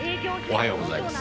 おはようございます。